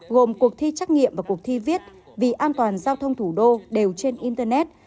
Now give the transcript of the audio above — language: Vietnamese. gồm cuộc thi trắc nghiệm và cuộc thi viết vì an toàn giao thông thủ đô đều trên internet